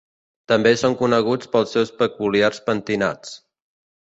També són coneguts pels seus peculiars pentinats.